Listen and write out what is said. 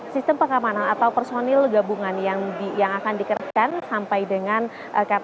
sistem pengamanan atau personil gabungan yang akan dikerjakan sampai dengan kttg dua puluh